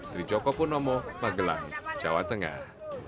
trijoko purnomo magelang jawa tengah